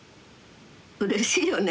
うれしいよね。